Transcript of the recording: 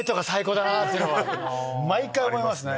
毎回思いますね。